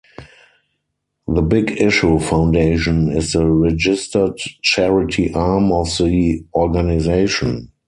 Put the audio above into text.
The Big Issue Foundation is the registered charity arm of the organisation.